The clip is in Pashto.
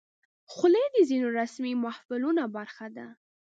خولۍ د ځینو رسمي محفلونو برخه ده.